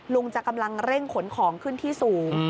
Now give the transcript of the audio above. ลุงจะกำลังเร่งขนของขึ้นที่สูง